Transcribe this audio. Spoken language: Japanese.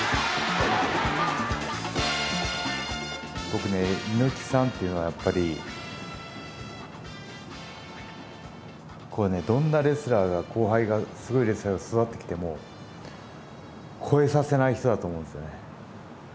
ぼくね猪木さんというのはやっぱりこれねどんなレスラーが後輩がすごいレスラーが育ってきても超えさせない人だと思うんですよね。